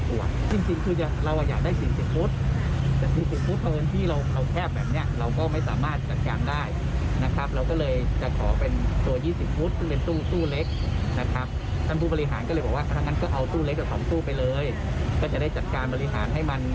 ท่านผู้บริหารก็เลยบอกว่าทั้งนั้นก็เอาตู้เล็กกับ๒ตู้ไปเลยก็จะได้จัดการบริหารให้มัน